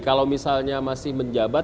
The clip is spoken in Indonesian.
kalau misalnya masih menjabat